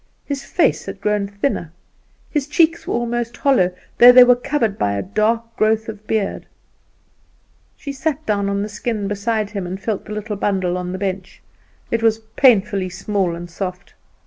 His face had grown thinner; his cheeks were almost hollow, though they were covered by a dark growth of beard. She sat down on the skin beside him, and felt the little bundle on the bench; it was painfully small and soft.